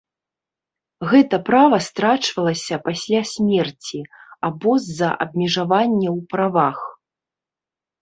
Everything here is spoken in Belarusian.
Гэта права страчвалася пасля смерці або з-за абмежавання ў правах.